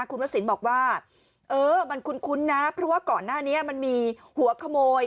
คุณวสินบอกว่าเออมันคุ้นนะเพราะว่าก่อนหน้านี้มันมีหัวขโมย